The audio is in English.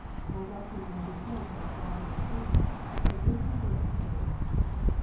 My doctrine may be hid from the wise and prudent, but it is revealed to babes." (Matt.